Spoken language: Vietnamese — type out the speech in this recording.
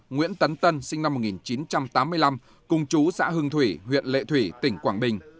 nguyễn tấn tân sinh năm một nghìn chín trăm tám mươi năm cùng chú xã hưng thủy huyện lệ thủy tỉnh quảng bình